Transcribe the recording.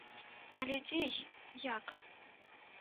Але дзе й як?